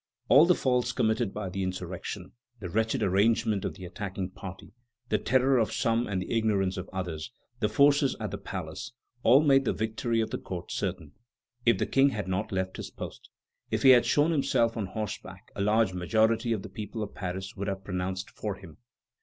"All the faults committed by the insurrection, the wretched arrangement of the attacking party, the terror of some and the ignorance of others, the forces at the palace, all made the victory of the court certain, if the King had not left his post. If he had shown himself on horseback, a large majority of the people of Paris would have pronounced for him."